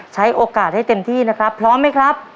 ใช้โอกาสให้เต็มที่นะครับพร้อมไหมครับ